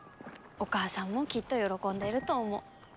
お母さんもきっと喜んでると思う。